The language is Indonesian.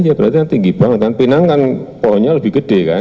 ya berarti tinggi banget kan pinang kan pohonnya lebih gede kan